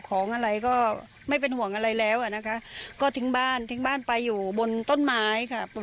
ของอะไรก็ไม่เป็นห่วงอะไรแล้วอ่ะนะคะก็ทิ้งบ้านทิ้งบ้านไปอยู่บนต้นไม้ค่ะ